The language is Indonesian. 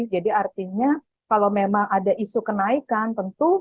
jadi artinya kalau memang ada isu kenaikan tentu